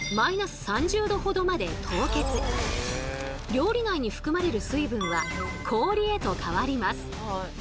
料理内に含まれる水分は氷へと変わります。